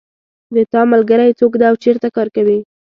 د تا ملګری څوک ده او چېرته کار کوي